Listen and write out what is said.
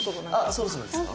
あそろそろですか？